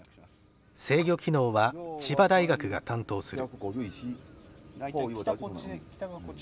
制御機能は千葉大学が担当する。